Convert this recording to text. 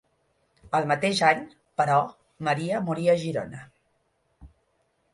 El mateix any, però, Maria morí a Girona.